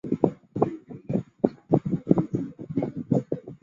长萼石笔木为山茶科石笔木属下的一个种。